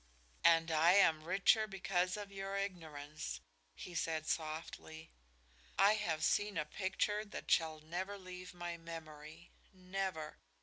"And I am richer because of your ignorance," he said, softly. "I have seen a picture that shall never leave my memory never!